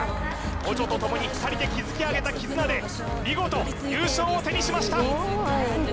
オチョと共に２人で築き上げた絆で見事優勝を手にしました！